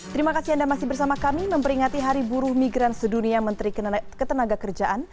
terima kasih anda masih bersama kami memperingati hari buruh migran sedunia menteri ketenaga kerjaan